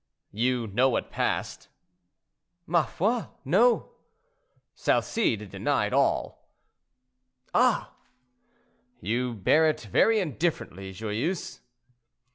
"You know what passed?" "Ma foi! no." "Salcede denied all." "Ah!" "You bear it very indifferently, Joyeuse."